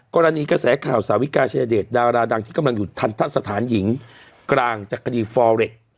กรณีกระแสข่าวสาวิกาเชดเดชน์ดาราดังที่กำลังอยู่ทันทะสถานหญิงกลางจากคดีฟอร์เร็กซ์